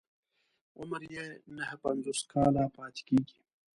عمر يې نهه پنځوس کاله پاتې کېږي.